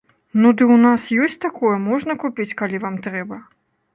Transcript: Ну ды ў нас ёсць такое, можна купіць, калі вам трэба.